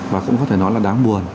và cũng có thể nói là đáng buồn